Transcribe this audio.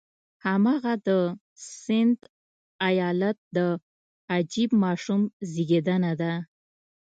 هماغه د سند ایالت د عجیب ماشوم زېږېدنه ده.